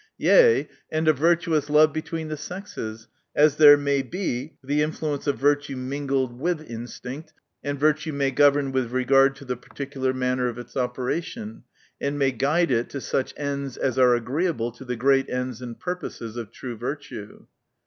Yea, and a virtuous love between the sexes, as there may be the in fluence of virtue mingled with instinct, and virtue may govern with regard to the particular manner of its operation, and may guide it to such ends as are agreeable to the great ends and purposes of true virtue.